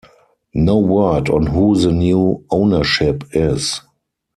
No word on who the new ownership is.